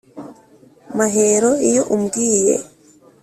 Mahero iyo umbwiye